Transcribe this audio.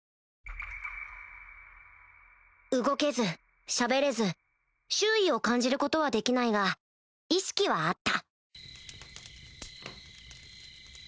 動けずしゃべれず周囲を感じることはできないが意識はあった